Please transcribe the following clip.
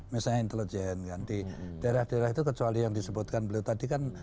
misalnya intelijen kan di daerah daerah itu kecuali yang disebutkan beliau tadi kan